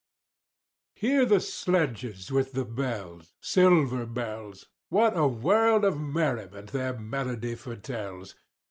Hear the sledges with the bells— Silver bells! What a world of merriment their melody foretells!